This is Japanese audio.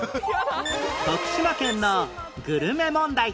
徳島県のグルメ問題